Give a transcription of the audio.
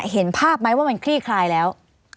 เห็นภาพไหมว่ามันคลี่คลายแล้ว